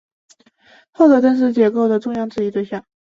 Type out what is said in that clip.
而后者正是解构的首要质疑对象。